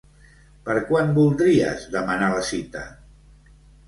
Per quan voldries demanar la cita?